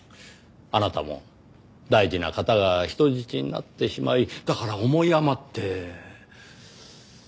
あなたも大事な方が人質になってしまいだから思い余って。